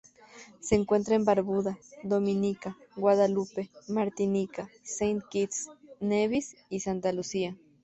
Se encuentra en Barbuda, Dominica, Guadalupe, Martinica, Saint Kitts y Nevis, y Santa Lucía.